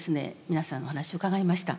皆さんのお話を伺いました。